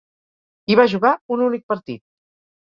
Hi va jugar un únic partit.